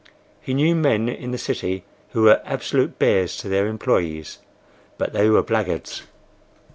He knew men in the city who were absolute bears to their employees; but they were blackguards.